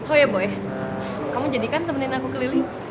oh iya boy kamu jadikan temenin aku ke lili